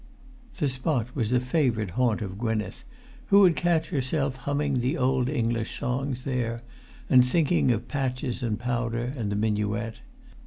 The spot was a favourite haunt of Gwynneth, who would catch herself humming the old English songs there, and thinking of patches and powder and the minuet.